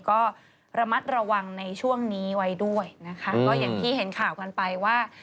ก็ระมัดระวังในช่วงนี้ไว้ด้วยนะคะก็อย่างที่เห็นข่าวกันไปว่า